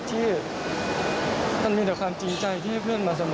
ที่มันมีแต่ความจริงใจที่เพื่อนมาเสมอ